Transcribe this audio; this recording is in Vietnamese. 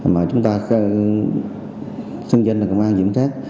mà chúng ta xưng danh là công an diễm sát